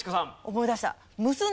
思い出した。